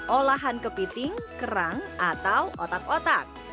olahan kepiting kerang atau otak otak